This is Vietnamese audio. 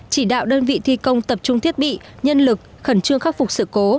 chỉ đạo đơn vị thi công tập trung thiết bị nhân lực khẩn trương khắc phục sự cố